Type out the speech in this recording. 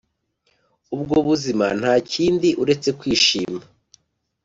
ubwo buzima ntakindi uretse kwishima